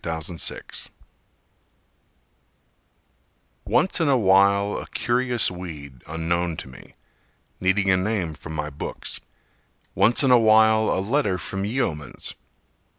William Jones Once in a while a curious weed unknown to me, Needing a name from my books; Once in a while a letter from Yeomans.